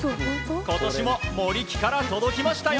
今年も森木から届きましたよ。